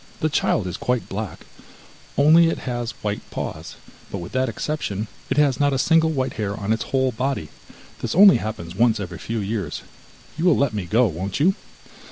The child is quite black, only it has white paws, but with that exception, it has not a single white hair on its whole body; this only happens once every few years, you will let me go, won't you?